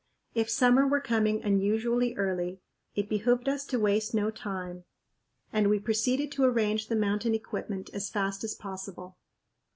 If summer were coming unusually early it behooved us to waste no time, and we proceeded to arrange the mountain equipment as fast as possible.